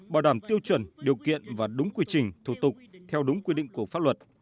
bảo đảm tiêu chuẩn điều kiện và đúng quy trình thủ tục theo đúng quy định của pháp luật